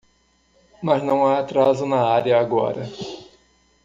Mas não há atraso na área agora.